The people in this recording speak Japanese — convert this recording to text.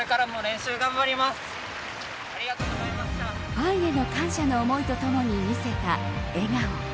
ファンへの感謝の思いとともに見せた笑顔。